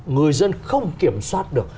người dân không kiểm soát được